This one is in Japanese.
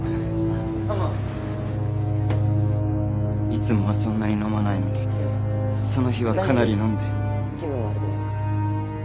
いつもはそんなに飲まないのにその日はかなり飲んで。